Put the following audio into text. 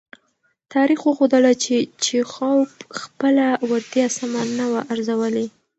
تاریخ وښودله چې چیخوف خپله وړتیا سمه نه وه ارزولې.